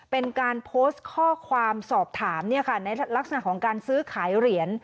เป็นการโพสต์ข้อความสอบถามในลักษณะของการซื้อขายเหรียญ